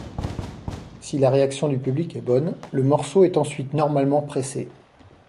Si la réaction du public est bonne, le morceau est ensuite normalement pressé.